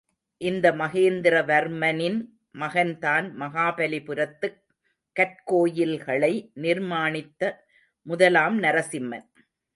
இந்த மகேந்திர வர்மனின் மகன்தான் மகாபலிபுரத்துக் கற்கோயில்களை நிர்மாணித்த முதலாம் நரசிம்மன்.